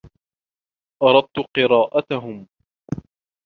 أردت قراءتهم.